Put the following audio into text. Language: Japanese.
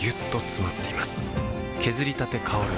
削りたて香る